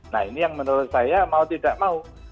nah ini yang menurut saya mau tidak mau